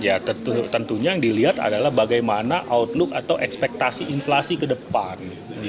ya tentunya yang dilihat adalah bagaimana outlook atau ekspektasi inflasi ke depan